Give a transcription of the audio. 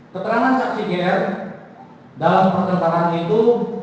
keterangan saksi gr dalam perkara itu